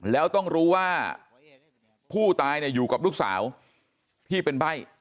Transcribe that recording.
แล้วต้องรู้ว่าผู้ตายอยู่กับลูกสาวที่เป็นใบ้